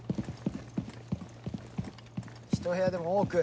１部屋でも多く。